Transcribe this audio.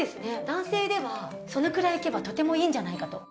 男性ではそのくらいいけばとてもいいんじゃないかと。